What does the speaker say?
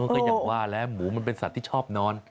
ก็ยังว่าแล้วหมูมันเป็นสัตว์ที่ชอบนอน